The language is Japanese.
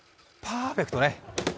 パーフェクトね。